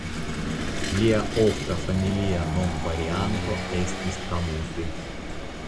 Lia ofta familia nomvarianto estis Kamuti.